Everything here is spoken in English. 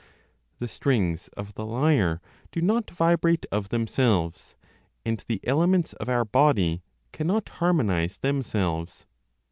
The strings of the lyre do not vibrate of themselves, and the elements of our body cannot harmonize themselves.